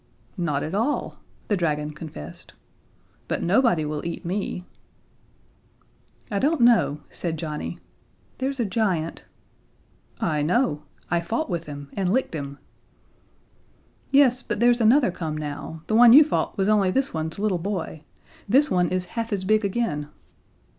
"Not at all," the dragon confessed, "but nobody will eat me." "I don't know," said Johnnie, "there's a giant " "I know. I fought with him, and licked him." "Yes, but there's another come now the one you fought was only this one's little boy. This one is half as big again."